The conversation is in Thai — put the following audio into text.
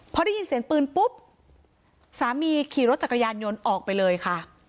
พอได้ยินเสียงปืนปุ๊บสามีขี่รถจักรยานยนต์ออกไปเลยค่ะ